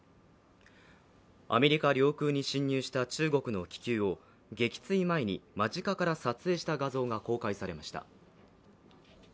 アメリカ領空に侵入した中国の気球を撃墜前に間近から撮影した画像が公開されました。